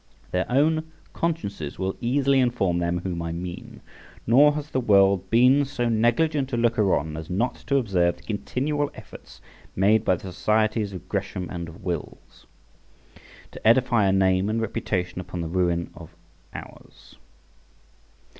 Their own consciences will easily inform them whom I mean; nor has the world been so negligent a looker on as not to observe the continual efforts made by the societies of Gresham and of Will's , to edify a name and reputation upon the ruin of ours.